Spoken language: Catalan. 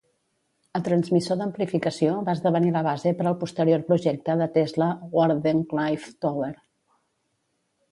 El transmissor d'amplificació va esdevenir la base per al posterior projecte de Tesla Wardenclyffe Tower.